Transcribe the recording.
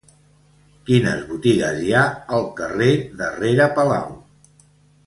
Quines botigues hi ha al carrer de Rere Palau?